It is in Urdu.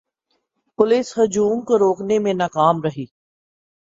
پولیس ہجوم کو روکنے میں ناکام رہی